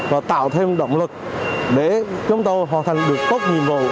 và tạo thêm động lực để chúng tôi hoàn thành được tốt nhiệm vụ